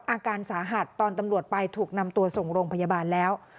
อาการสาหัสตอนตำรวจไปถูกนำตัวส่งโรงพยาบาลแล้ว